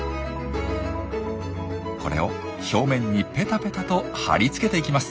これを表面にペタペタと張り付けていきます。